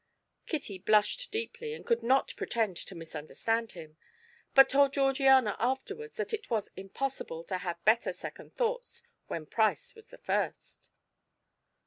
Kitty blushed deeply and could not pretend to misunderstand him, but told Georgiana afterwards that it was impossible to have better second thoughts when Price was the first.